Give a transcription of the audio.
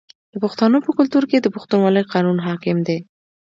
د پښتنو په کلتور کې د پښتونولۍ قانون حاکم دی.